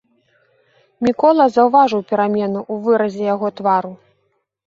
Мікола заўважыў перамену ў выразе яго твару.